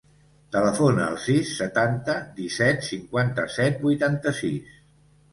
Telefona al sis, setanta, disset, cinquanta-set, vuitanta-sis.